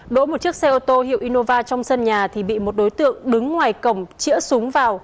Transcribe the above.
đỗ một chiếc xe ô tô hiệu innova trong sân nhà thì bị một đối tượng đứng ngoài cổng chĩa súng vào